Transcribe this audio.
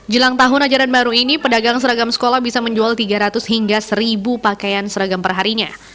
jelang tahun ajaran baru ini pedagang seragam sekolah bisa menjual tiga ratus hingga seribu pakaian seragam perharinya